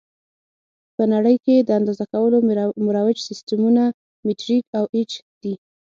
په نړۍ کې د اندازه کولو مروج سیسټمونه مټریک او ایچ دي.